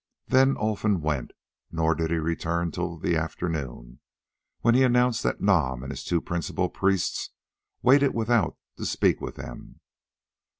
Then Olfan went, nor did he return till the afternoon, when he announced that Nam and his two principal priests waited without to speak with them.